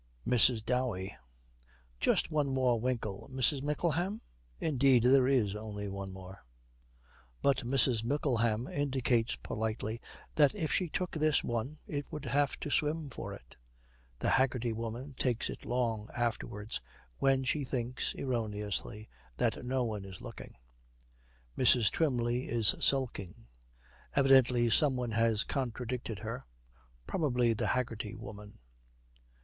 MRS. DOWEY. 'Just one more winkle, Mrs. Mickleham?' Indeed there is only one more. But Mrs. Mickleham indicates politely that if she took this one it would have to swim for it. (The Haggerty Woman takes it long afterwards when she thinks, erroneously, that no one is looking.) Mrs. Twymley is sulking. Evidently some one has contradicted her. Probably the Haggerty Woman.